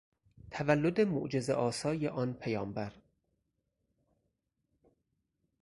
تولد معجزهآسای آن پیامبر